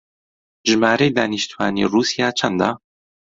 ژمارەی دانیشتووانی ڕووسیا چەندە؟